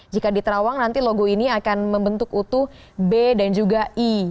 jika di terawang nanti logo ini akan membentuk utuh b dan juga i